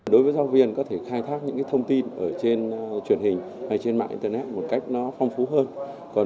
đối với giáo viên có thể khai thác những thông tin ở trên truyền hình hay trên mạng internet một cách phong phú hơn